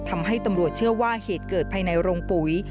ทำให้ตำรวจเชื่อว่าเหตุเกิดภายในโรงปุ๋ย